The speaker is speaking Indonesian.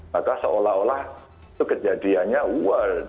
maka seolah olah itu kejadiannya world